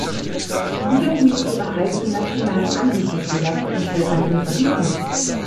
Sie dürfen nicht ihre eigenen nationalen Anbieter zulassen und alle anderen verbieten.